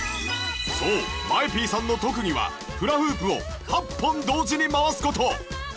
そう ＭＡＥＰ さんの特技はフラフープを８本同時に回す事